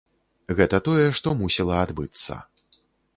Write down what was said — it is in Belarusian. Гэта тое, што мусіла адбыцца.